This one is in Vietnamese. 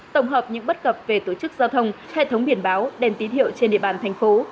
tổng hợp những bất cập về tổ chức giao thông hệ thống biển báo đèn tín hiệu trên địa bàn thành phố